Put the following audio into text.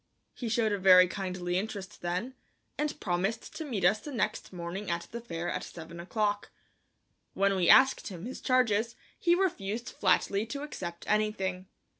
He showed a very kindly interest then, and promised to meet us the next morning at the fair at seven o'clock. When we asked him his charges he refused flatly to accept anything.